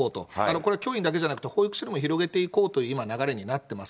これは教員だけじゃなくて、保育士にも広げていこうという今、流れになっています。